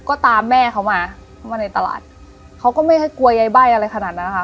ก็ตามแม่เขามามาในตลาดเขาก็ไม่ให้กลัวยายใบ้อะไรขนาดนั้นนะคะ